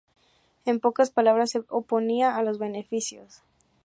En pocas palabras, se oponía a los beneficios.